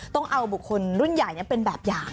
ต้องเอาบุคคลรุ่นใหญ่เป็นแบบอย่าง